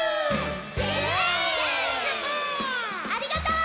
ありがとう！